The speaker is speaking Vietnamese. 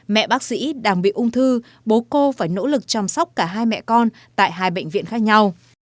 mẹ bác sĩ đang bị ung thư bố cô phải nỗ lực chăm sóc cả hai mẹ con tại hai bệnh viện khác nhau